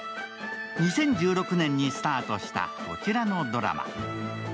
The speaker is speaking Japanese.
２０１６年にスタートしたこちらのドラマ。